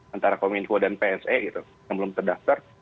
antara kominfo dan pse gitu yang belum terdaftar